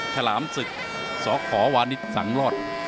ฉลามศึกสขวานิสสังรอด